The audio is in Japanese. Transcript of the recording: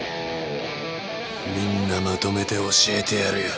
みんなまとめて教えてやるよ。